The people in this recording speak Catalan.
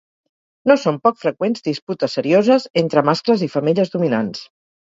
No són poc freqüents disputes serioses entre mascles i femelles dominants.